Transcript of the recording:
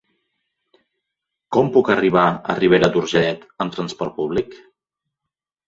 Com puc arribar a Ribera d'Urgellet amb trasport públic?